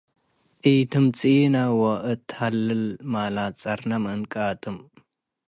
ኢትምጽኢነ ዎ እት-ህላል። ማላት ጸርነ ሚ እንቃጥም